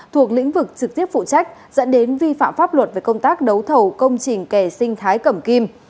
thuộc lĩnh vực trực tiếp phụ trách dẫn đến vi phạm pháp luật về công tác đấu thầu công trình kè sinh thái cẩm kim